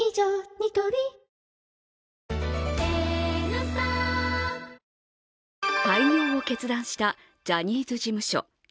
ニトリ廃業を決断したジャニーズ事務所。